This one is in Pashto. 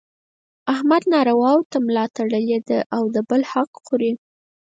احمد نارواوو ته ملا تړلې ده او د بل حق خوري.